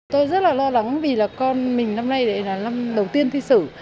tôi rất là lo lắng vì là con mình năm nay là năm đầu tiên thi sử